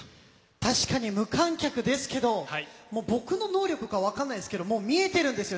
確かに無観客ですけれど、僕の能力かわからないですが、見えているんですよ。